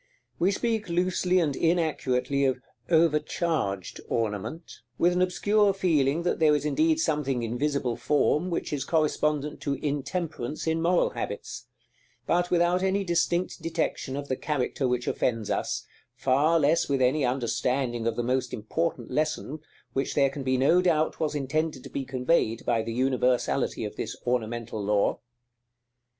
We speak loosely and inaccurately of "overcharged" ornament, with an obscure feeling that there is indeed something in visible Form which is correspondent to Intemperance in moral habits; but without any distinct detection of the character which offends us, far less with any understanding of the most important lesson which there can be no doubt was intended to be conveyed by the universality of this ornamental law.